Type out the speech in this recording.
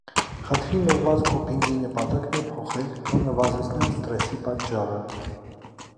Խնդրին ուղղված քոփինգի նպատակն է փոխել կամ նվազեցնել սթրեսի պատճառը։